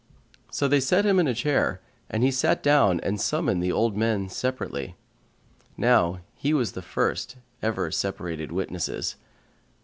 So they set him a chair and he sat down and summoned the old men separately. (Now he was the first ever separated witnesses.)